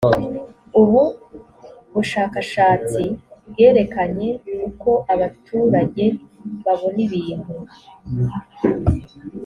ubu bushakashatsi bwerekanye uko abaturage babona ibintu